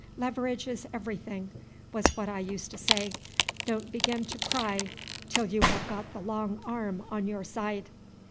Leverage is everything, was what I used to say; don't begin to pry till you have got the long arm on your side.